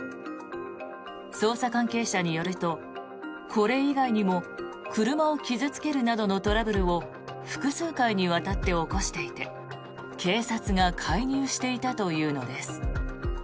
捜査関係者によるとこれ以外にも車を傷付けるなどのトラブルを複数回にわたって起こしていて警察が介入していたというのです。